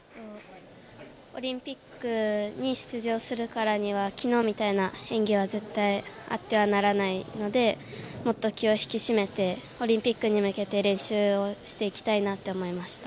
オリンピックに出場するからには昨日みたいな演技は絶対あってはならないので、もっと気を引き締めてオリンピックに向けて練習をしていきたいなって思いました。